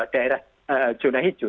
daerah zona hijau